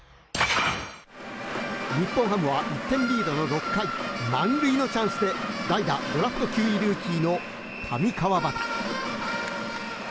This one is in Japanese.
日本ハムは１点リードの６回満塁のチャンスで代打、ドラフト９位ルーキーの上川畑。